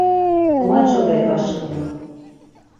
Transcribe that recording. Domaçodey aşǩva.